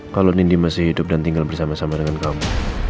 kalau nindi masih hidup dan tinggal bersama sama dengan kamu